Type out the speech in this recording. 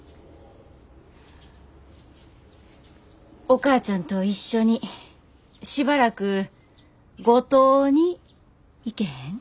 お母ちゃんと一緒にしばらく五島に行けへん？